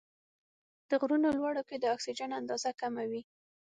د غرونو لوړو کې د اکسیجن اندازه کمه وي.